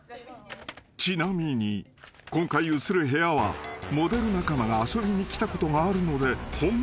［ちなみに今回映る部屋はモデル仲間が遊びに来たことがあるので］